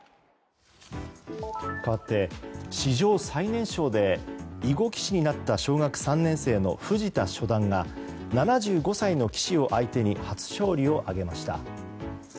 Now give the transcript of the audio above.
かわって史上最年少で囲碁棋士になった小学３年生の藤田初段が７５歳の棋士を相手に初勝利を挙げました。